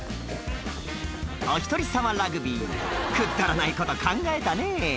お一人様ラグビーくっだらないこと考えたね